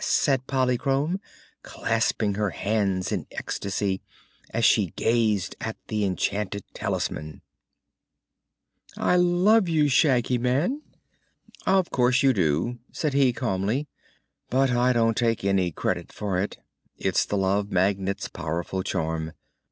said Polychrome, clasping her hands in ecstasy as she gazed at the enchanted talisman; "I love you, Shaggy Man!" "Of course you do," said he calmly; "but I don't take any credit for it. It's the Love Magnet's powerful charm.